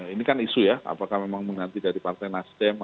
ini kan isu ya apakah memang mengganti dari partai nasdem